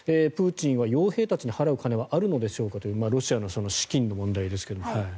プーチンは傭兵たちに払う金はあるのでしょうかというロシアの資金の問題ですが。